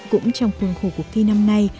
cũng trong khuôn khủ cuộc thi năm nay